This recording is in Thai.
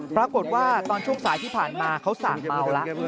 ปรากฏว่าตอนช่วงสายที่ผ่านมาเขาสั่งเมาแล้ว